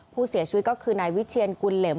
ผู้เสียชีวิตก็คือนายวิเชียนกุลเหล็ม